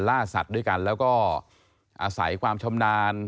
ล่าสัตว์ด้วยกันแล้วก็อาศัยความชำนาญ